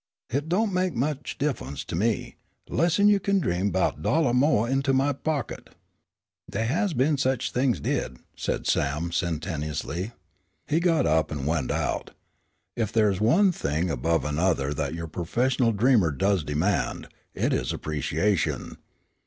"Hit don' make much diffunce to me, less 'n you kin dream 'bout a dollah mo' into my pocket." "Dey has been sich things did," said Sam sententiously. He got up and went out. If there is one thing above another that your professional dreamer does demand, it is appreciation.